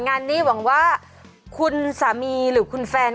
งานนี้หวังว่าคุณสามีหรือคุณแฟน